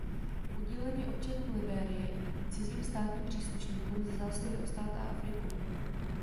Udílen je občanům Libérie i cizím státním příslušníkům za zásluhy o stát a Afriku.